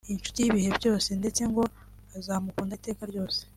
inshuti y’ibihe byose ndetse ngo azamukunda iteka ryose’